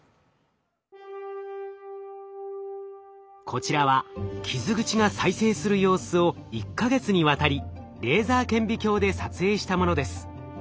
こちらは傷口が再生する様子を１か月にわたりレーザー顕微鏡で撮影したものです。